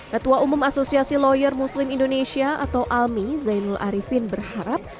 ketua umum asosiasi lawyer muslim indonesia atau almi zainul arifin berharap